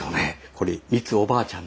これがみつおばあちゃん。